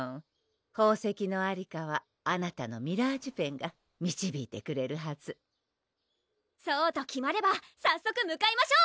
宝石のありかはあなたのミラージュペンがみちびいてくれるはずそうと決まれば早速向かいましょう！